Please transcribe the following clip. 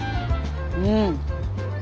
うん。